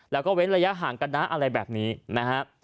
แล้วก็เว้นระยะห่างกันนะอะไรแบบนี้นะฮะ